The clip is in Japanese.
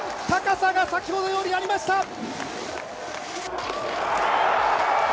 高さが先ほどよりありました。